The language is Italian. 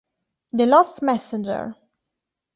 The Lost Messenger